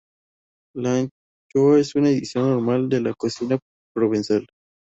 La anchoa es una adición normal en la cocina provenzal.